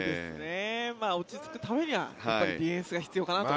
落ち着くためにはディフェンスが必要かなと。